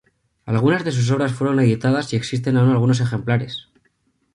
Algunas de sus obras fueran editadas y existen aún algunos ejemplares.